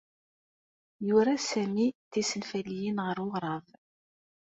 Yura Sami tisenfaliyin ɣef uɣrab.